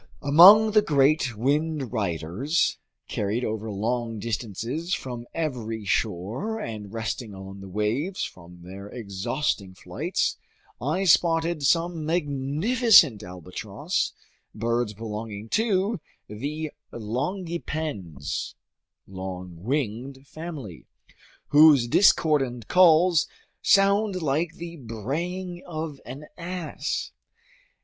Among the great wind riders—carried over long distances from every shore and resting on the waves from their exhausting flights—I spotted some magnificent albatross, birds belonging to the Longipennes (long winged) family, whose discordant calls sound like the braying of an ass.